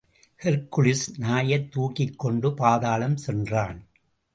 Hercules நாயைத் தூக்கிக்கொண்டு பாதாளம் சென்றான்.